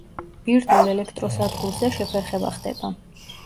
ბირთვულ ელექტროსადგურზე შეფერხება ხდება.